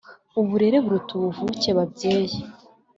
Uburere buruta ubuvuke babyeyi